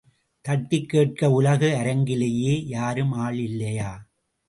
தட்டிக் கேட்க உலக அரங்கிலேயே யாரும் ஆள் இல்லையா?